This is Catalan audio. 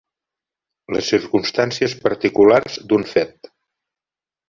Les circumstàncies particulars d'un fet.